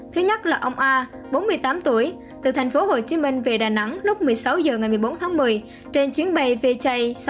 thứ nhất là ông a bốn mươi tám tuổi từ thành phố hồ chí minh về đà nẵng lúc một mươi sáu h ngày một mươi bốn tháng một mươi trên chuyến bay vj sáu trăm ba mươi hai